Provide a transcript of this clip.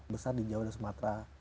besar di jawa dan sumatera